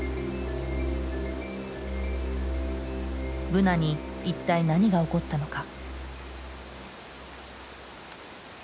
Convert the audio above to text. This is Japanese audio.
ブナに一体何が起こったのか？